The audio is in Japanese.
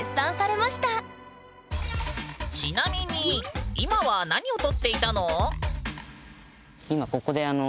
ちなみに今は何を撮っていたの？